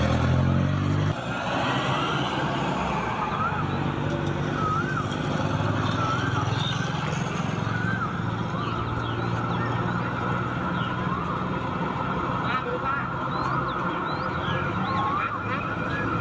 มีล่ามีมนต์